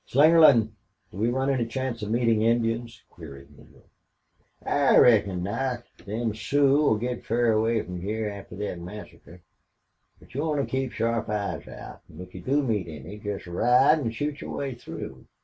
"Slingerland, do we run any chance of meeting Indians?" queried Neale. "I reckon not. Them Sioux will git fur away from hyar after thet massacre. But you want to keep sharp eyes out, an' if you do meet any, jest ride an' shoot your way through.